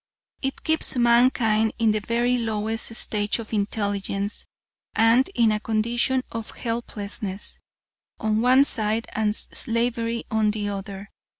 It keeps mankind in the very lowest stage of intelligence, and in a condition of helplessness on one side and slavery on the other.